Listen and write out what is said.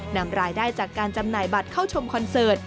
นำรายได้จากการจำหน่ายบัตรเข้าชมคอนเสิร์ต